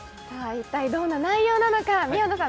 一体どんな内容なのか宮野さん